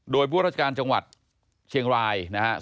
โดยผู้ราชการจังหวัดเชียงรายนะครับ